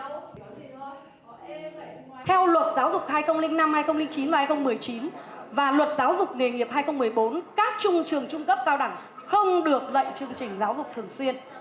theo luật giáo dục hai nghìn năm hai nghìn chín và hai nghìn một mươi chín và luật giáo dục nghề nghiệp hai nghìn một mươi bốn các trung trường trung cấp cao đẳng không được dạy chương trình giáo dục thường xuyên